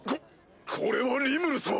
ここれはリムル様。